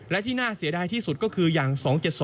และที่น่าเสียดายที่สุดก็คืออย่าง๒๗๐